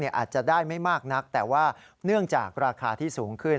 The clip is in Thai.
อาจจะได้ไม่มากนักแต่ว่าเนื่องจากราคาที่สูงขึ้น